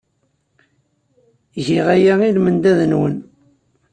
Giɣ aya i lmendad-nwen.